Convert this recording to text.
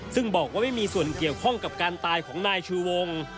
ซึ่งบอกว่าไม่มีส่วนเกี่ยวข้องกับการตายของนายชูวง